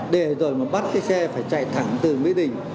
để rồi mà bắt cái xe phải chạy thẳng từ mỹ đình